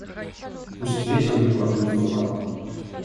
Пусть ветер мне подует в рукава.